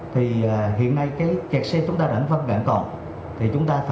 thì hiện nay cái kẹt xe chúng ta đã vất vạn còn